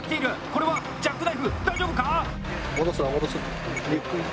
これはジャックナイフ、大丈夫か。